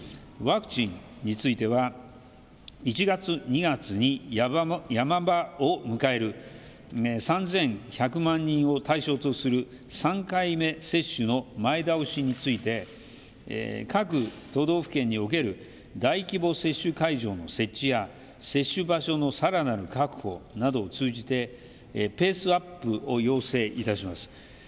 ワクチンについては１月、２月に山場を迎える３１００万人を対象とする３回目接種の前倒しについて各都道府県における大規模接種会場の設置や接種場所のさらなる確保などを通じてペースアップを要請いたします。